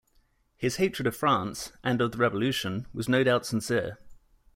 His hatred of France, and of the Revolution, was no doubt sincere.